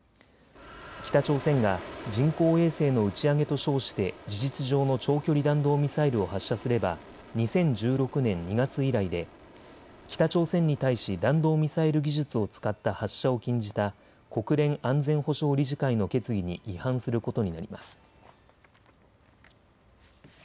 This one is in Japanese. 北朝鮮が人工衛星の打ち上げと称して事実上の長距離弾道ミサイルを発射すれば２０１６年２月以来で北朝鮮に対し弾道ミサイル技術を使った発射を禁じた国連安全保障理事会の決議に違反することになります。